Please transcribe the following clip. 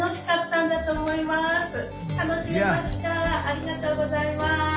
ありがとうございます。